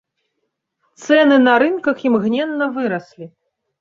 Цэны на рынках імгненна выраслі.